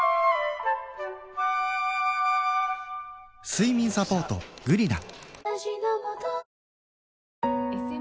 睡眠サポート「グリナ」